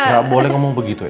nggak boleh ngomong begitu ya